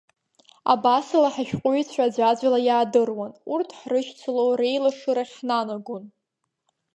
Абасала ҳашәҟәыҩҩцәа аӡәаӡәала иаадыруан, урҭ ҳрышьцыло, реилашырахь ҳнанагон.